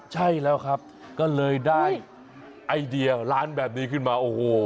ใช่แล้วครับก็เลยได้ไอเดียร้านแบบนี้ขึ้นมาโอ้โห